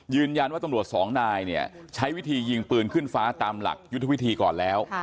ยืนยันว่าตำรวจสองนายใช้วิธียิงปืนขึ้นฟ้าตามหลักยุดวิธีก่อนแล้ว